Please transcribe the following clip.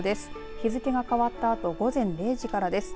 日付が変わったあと午前０時からです。